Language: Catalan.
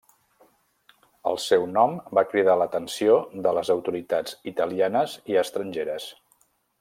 El seu nom va cridar l'atenció de les autoritats italianes i estrangeres.